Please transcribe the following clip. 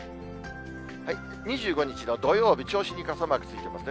２５日の土曜日、銚子に傘マークついてますね。